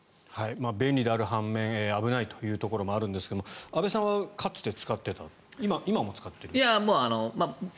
便利である半面危ないというところもあるんですが安部さんはかつて使っていた？